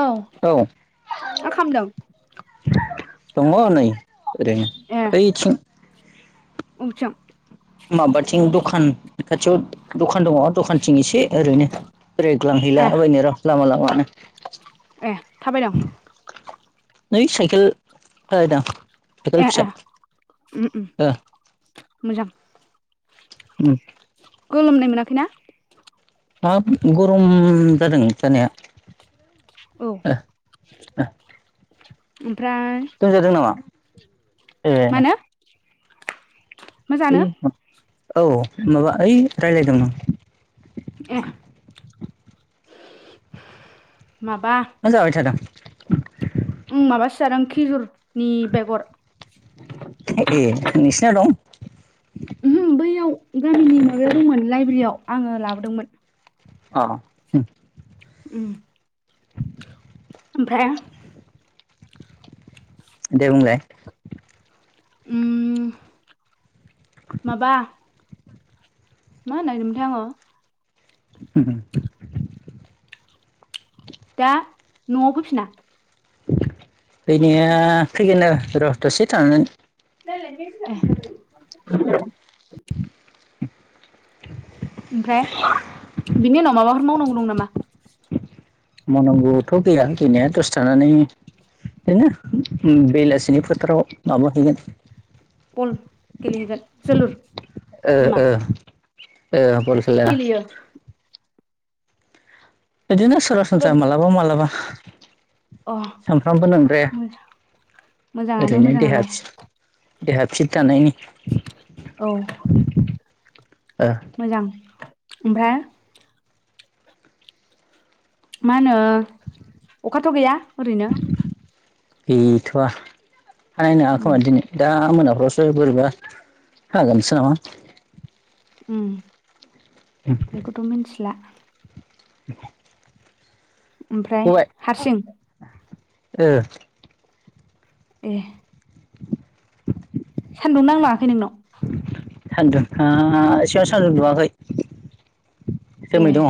औ औ मा खालामदों दङ नै ओरैनो ओइथिं उबिथिं माबाथिं दखान खाथियाव दखान दङ दखानथिं एसे ओरैनो ए बेरायग्लांहैला बायनो र' लामा लामानो ए थाबायदों नै साइकेल सालायदां ए ए फिसा ओम ओम ओ मोजां उम। गोलोमनाय मोनाखै ना? हाब गरम जादों जानाया आ आ। उम। गय जादों नामा? मा ए। होनो मा जानो? ओइ औ माबा ओइ रायलायदोंमोन आं। एह। माबा मा जाबाय थादों? उम माबासो जादों खिजुरनि बेगर। खोना दं? उमहो बैयाव गामिनि माबायाव दंमोन लाइब्रेरियाव आङो लाबोदोंमोन। अ। उम। ओमफाय दे बुंलाय। उम माबा मा होननो नागिरदोंमोनथाय आङो [unintelligible] दा न'वाव फैफिना? फैनाया फैगोन आरो र' दसे ए थानानै ओमफ्राय बिनि उनाव माबाफोर मावनांगौ दं नामा? मावनांगौथ' गैयानो गैनाया दसे थानानै ओरैनो बेलासिनि फोथाराव माबा हैैगोन बल गेले हैगोन जोलुर ओ ओ नामा? ओ बल खेला गेलेयो बिदिनो सरासनस्रा जोलुर मालाबा मालाबा अ सानफ्रामबो नोंद्राया मोजाङानो ओरैनो देहा मोजाङालाय थि देहा फिट थानायनि औ। ओ मोजां ओमफ्राय मा होनो अखाथ' गैया ओरैनो? गैथ'वा हानाय नोङा उम खोमा दिनै। दा मोनाफ्रावसो बोरैबा हागोनसो नामा? उम बेखौथ' मिनथिला। ओमफ्राय गबाय हारसिं? ओ। ए। सानदुं नांलाङाखै नोंनाव? सान्दुङा एसेबां सान्दुं दुङाखै। ए जोमै दङ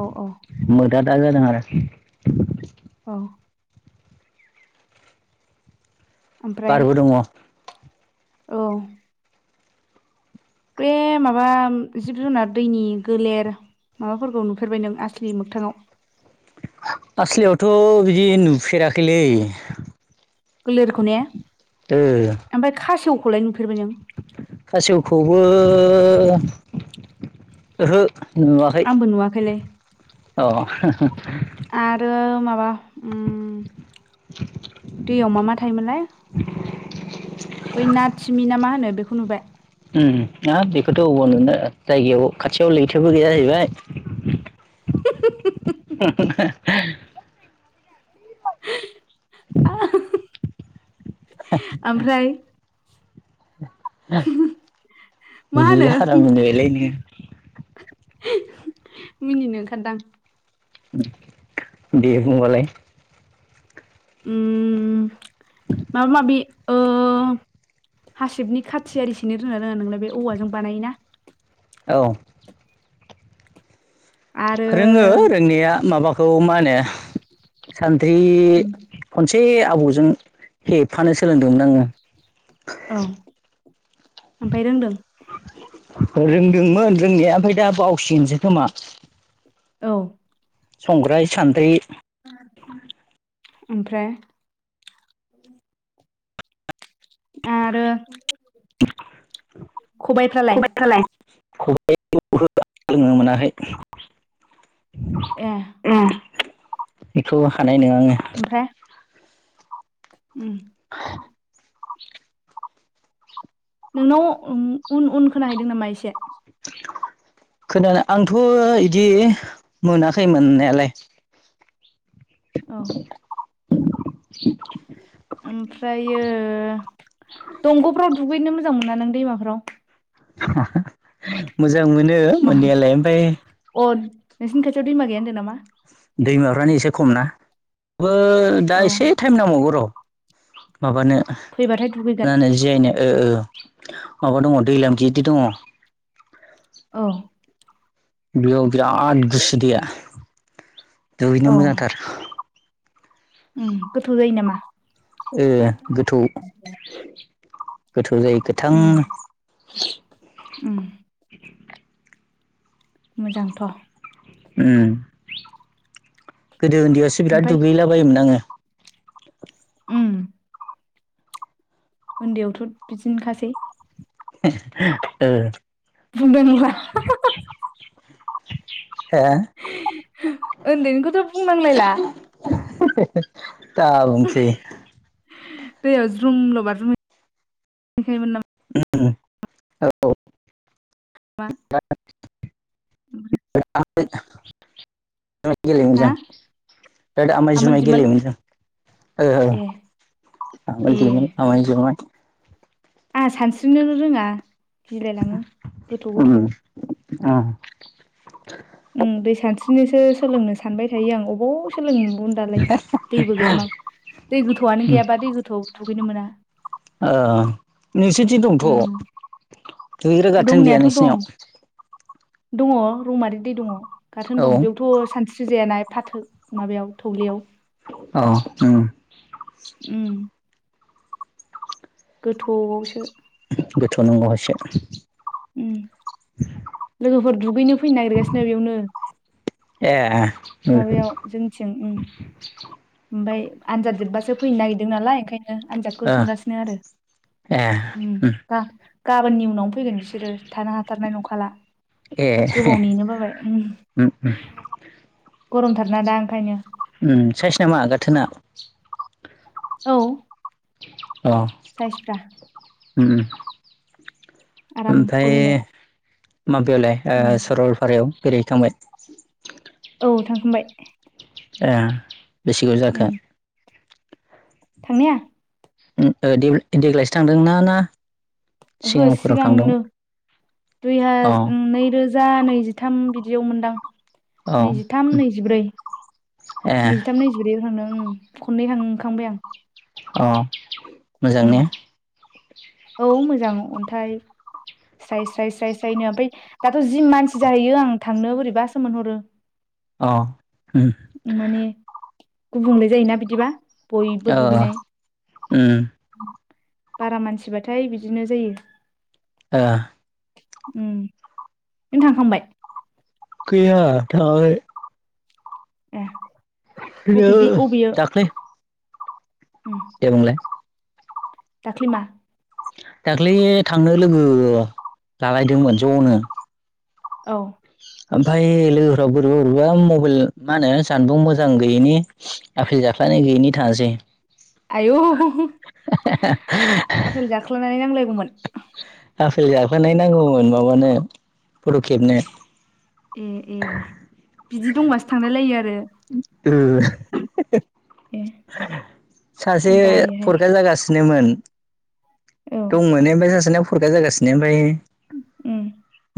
औ औ। दा दा जादों आरो अ। ओमफ्राय बारबो दङ'। औ। बे माबा जिब जुनार दैनि गोलेर माबाफोरखौ नुफेरबाय नों आसलि मोखथाङाव। आसलियावथ' बिदि नुफेराखैलै। गोलोरखौ ने ओ ओमफफ्राय खासेवखौलाय न? खासेवखौबो ओहो। नुवाखै आंबो नुवाखैलै। अ। आरो माबा उ दैयाव मा मा थायोमोनलाय बै नाथिमि ना मा होनो बेखौ नुबाय हाब बेखौथ' अबाव नुो जायगायाव खाथियाव लैथोबो गैया जाहैबाय आ [unintelligible] मा बि होनो आरोनि बेलायनो मिनिनो ओंखारदां बे बुंगालाय। उ माबा माबि ओ हासिबनि खाथिआरि जिरनो रोङना रोङा नोंलाय बे औवाजों बानायोना। औ आरो रोङो रोंनाया माबा मा होनो सानद्रि उम ए आबौजों हेबफानो सोलोंदोंमोन आङो औ ओमफ्राय रोंदों रोंदोंमोन रोंनाया ओमफ्राय दा बावसिगोनसो खोमा औ संग्राय सान्द्रि ओमफ्राय आरो खबायफ्रालाय खबायखौलाय खबाय लोनो मोनाहै ए बेखौ हानाय नङा आङो ओमफ्राय उम। [unintelligible] नोंनाव उन उन खोनाहैदों नामा एसे खोनानो आंथ' बिदि मोनाखै मोननायालाय। औ [inaudible] ओमफ्रायो मोजां मोनो मा मोननायालाय ओमफ्राय अ नोंसिनि खाथियाव दैमा गैया होनदों नामा दैमाफ्रानो औ माबानो फैबाथाय दुगैगोन होनो जियायनो ओ ओ माबा दङ दैलाम गिदिर दङ औ। बेयाव बिराद गुसु दैया दुगैनो औ मोजांथार। उम गोथौ जायो नामा ओ गोथौ गोथौ जायो गोथां उम उम। मोजांथ'। उम गोदो उन्दैयावसो बिराद ओमफाय दुगैलाबायोमोन आङो उम उन्दैयावथ बिदिनो खासै ओ बुंनांला [inaudible] उन्दैनिखोथ बुंनांलायला दा बुंसै दैयाव ज्रुमल बारजुम हैखायोमोन नामा? उम औ मा [unintelligible] बेराथ गेलेयोमोन जों बेराथ आमाय आमोल जुमाय दिमोल गेलेयोमोन जों ए ओ ए इदिनो आमाय जुमाय आंहा सानस्रिनो रोङा गिलायलाङो गोथौ उम गोथौवाव उम उम दै सानस्रिनोसो सोलोंनो सानबाय थायो आं अ अबाव सोलोंनो मोनबावनो दालाय दैबो गैया माबो दै गोथौवानो गैयाबा दै गोथौवाव दु गैनो मोना ओ नोंसोरनिथिं दंथ उम दुगैग्रा गाथोन गैया दंनायाथ' दं नोंसिनियाव दङ रौमारि दै दङ गाथोन‌दै‌ औ दं बेयावथ सानस्रि स्रिजाया ना एबा थौ माबायाव थौलेयाव औ ओं गोथौवाव‌ सो गोथौ नांगौ एसे उम लोगोफोर दुगैनो फैनो नागिरगासिनो बेयावनो ए उम माबायाव ओमफाय आनजाद जोबबासो फैनो नागिरदों नालाय ओंखाय नों आनजादखौ ओ सोंगासिनो आरो ए उम गा-गा बोननि उनावनो फैगोन बिसोरो थानो हाथारनाय नंखाला ए गोबाव नेनो बाबाय उम गरमथारना दा ओंखायनो उम साइस नामा गाथोना? औ अ साइसफ्रा उम उम आराम ओमफ्राय बोहैनाय माबायावलाय उम ओ सरलपारायाव बेरायहैखांबाय? औ थांखांबाय ए बेसे गोबाव उम जाखो? थांनाया उम ओ देग्लायसो थांदों ना ना ओहो सिगांफोराव थांदों सिगांनो दुइ हा अ नै रो जा नैजिथाम बिदियाव मोनदां औ नैजिथाम नैजिब्रै ए नैजिथाम नैजिब्रैयाव थांदों उम खननै थांखांबाय आं अ मोजां उम ने औ मोजां अन्थाइ स्राय स्राय स्राय स्रायनो ओमफ्राय दाथ जि मानसि जाहैयो आं थांनो बोरैबा सो मोनहरो अ उम माने गुबुंले जायोना बिदिबा बयबो ओ दुगैनाय उम बारा मानसिबाथाय बिदिनो जायो ओ उम, नों थांखांबाय? गैया थांङाखै। ए गैया, अबेदि अबेयो दाख्लै दे बुंलाय दाख्लि मा? दाख्लै थांनो लोगो लालायदोंमोन ज'नो। औ। ओमफ्राय लोगोफोरा बोरैबा बोरैबा मबाइल मा होनो जानबुं मोजां गैयिनि आफ जाफ्लानाय गैयिनि थांङासै आयौ आफाल जाख्ल'नाय नांलायगौमोन आफेल जाखोनाय नांगौमोन माबानो फट' खेबनो ए ए बिदि दंबासो थांलाय लायो आरो ओ [unintelligible] ए सासे आं बायोहाय फरखा जागासिनोमोन औ दंमोननो ओमफफ्राय सासेना फरखा जागासिनो ओमफ्राय उम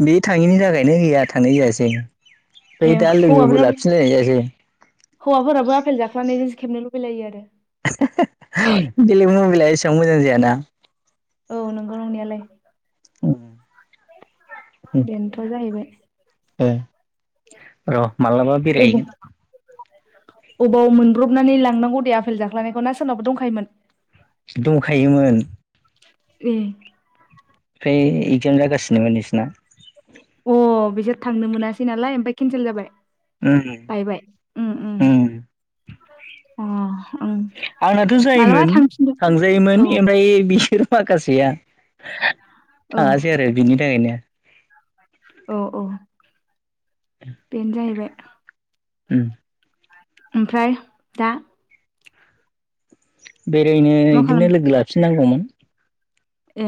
बे थाङैनि थाखायनो गैया थानाय जायासै ए ओमफ्राय दा लोगोबो हौवाफोराबो लाफिनलायनाय जायासै हौवाफोराबो आफेल जाख्ल'नायजोंसो खेबनो लुबैलायो आरो [unintelligible] बेलेग मबाइला एसेबां मोजां जायाना औ नोंगौ नंनायालाय [unintelligible] बेनोथ' जाहैबाय। [unintelligible] र' माब्लाबा अबाव बेरायहैगोन अबाव मोनब्रबनानै लांनांगौ दे आफेल जाख्लनायखौ ना सोरनावबा दंखायोमोन दंखायोमोन ए ओमफ्राय एगजाम जागासिनोमोन बिसिना अ बिसोर थांनो मोनासै नालाय ओमफ्राय केनसेल जाबाय उम बाय बाय उम उम अ ओं आंनाथ' मालाबा जायोमोन थांफिनदो औ थांजायोमोन ओमफ्राय बिसोर माखासेया औ थाङासै आरो बिनि थाखायनो औ औ बेनो जाहैबाय उम ओमफ्राय दा? बेरायनो मा खालाम इदिनो लोगो लाफिननांगौमोन। ए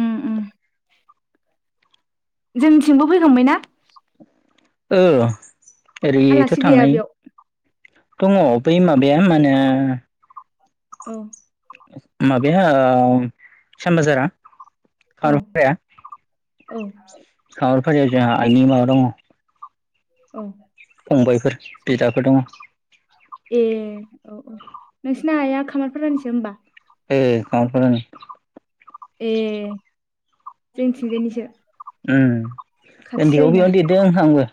उम उम। जोंनिथिंबो फैखांबाय ना? ओ ओरैयैथ' आलासि गैया थांनाय। बेयाव दङ, बै माबाया मा होनो औ माबाया ओ साम बाजारा औ [unintelligible] औ [unintelligible] जोंहा आइनि माबा दङ' औ फंबायफोर, बिदाफोर दङ। ए औ औ नोंसिना आया खामारफारानिसो होमबा? ए खामारफारानि ए जोंनिथिंजायनिसो। उम ओन्दैआव बेयावनो देरदों आंबो।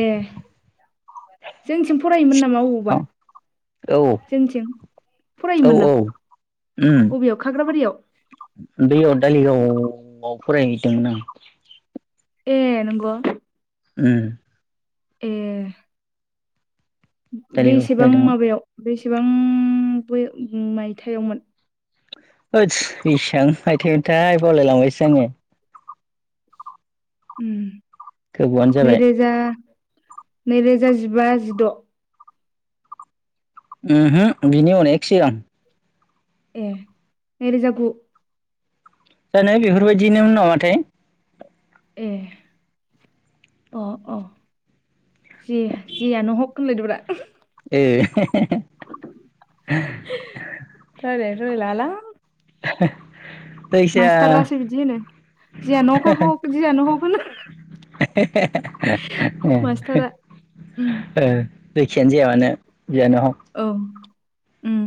ए जोंनिथिं फरायोमोन नामा बबावबा? औ जोंनिथिं औ औ उम अबेयाव खाग्राबारियाव दैअ दालिगावआव फरायहैदोंमोन आं। ए नंगौ उम ए दालिगाव बेसेबां फरायदोंमोन माबायाव बेसेबां बे मायथायावमोन? होदस बेसेबां मायथाइमोनथाय बावलायलांबायसो आङो। उम गोबावानो जाबाय नैरोजा नैरोजा जिबा, जिद' उमहु बिनि अनेख सिगां। ए नै रोजा गु जानो बेफोरबायदिनोमोन नामाथाय। ए अ अ जे-जेयानोहक होनलायदोब्रा ए रायलायनो रोंलायलाङालां। [inaudible] जायखिया मास्तारासो बिदि होनो, जियानो हक जियानो हक ए ओ मास्टारा जेखियानो उम जाया मानो, जियानो औ हक उम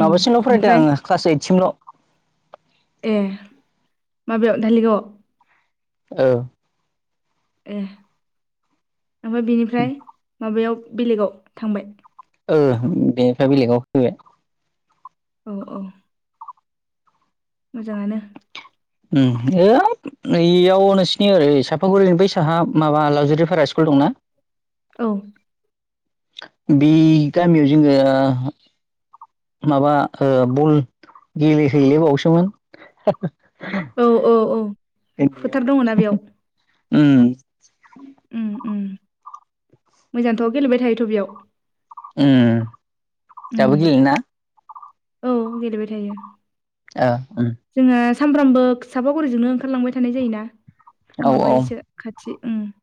उम माबासिमल' फरायदों ओमफ्राय आङो क्लास ओइद सिमल'। ए माबायाव धालिगाव? औ ए ओमफाय बेनिफ्राय माबायाव बेलेगाव थांबाय? ओ बेनिफ्राय बेलेगाव फैबाय। औ औ मोजाङानो उम होइद नै एयाव नोंसिनि ओरै सापागुरिनि बै साहा माबा लावजारि भारा स्कुल दंना औ बे गामियाव जोङो माबा बल गेलेहैलाय बावोसोमोन औ औ औ उन्दैआव फोथार दङना ओम ओम ओम मोजांथ' गेलेबाय थायोथ' बेयाव उम उम दाबो गेलेयोना औ गेलेबाय थायो। ओ ओम जोंहा सामफ्रामबो साफागुरिजोंनो ओंखारलांबाय थानाय जायोना औ औ माबायोसो खाथि उम